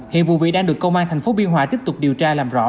hiện vụ vị đang được công an thành phố biên hòa tiếp tục điều tra làm rõ